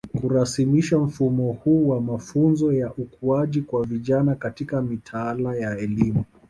Kurasmisha mfumo huu wa mafunzo ya ukuaji kwa vijana katika mitaala ya elimu